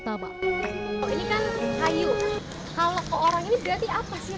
nah imalah peng auction ini sudah rumit